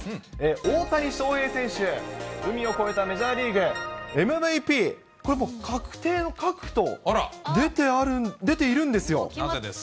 大谷翔平選手、海を越えたメジャーリーグ、ＭＶＰ、これもう確定の確と出ているんですよ。